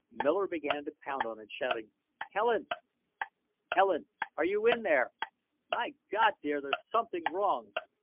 Miller began to pound on it, shouting: "Helen! Helen, are you in there? My God, dear, there's something wrong!